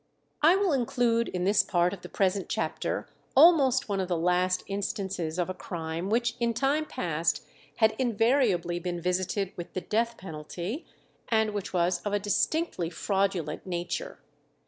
I will include in this part of the present chapter almost one of the last instances of a crime which in time past had invariably been visited with the death penalty, and which was of a distinctly fraudulent nature.